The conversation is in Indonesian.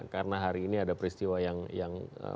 karena hari ini ada peristiwa yang